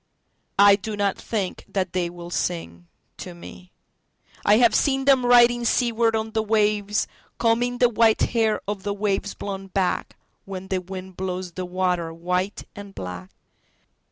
I do not think that they will sing to me.I have seen them riding seaward on the wavesCombing the white hair of the waves blown backWhen the wind blows the water white and black.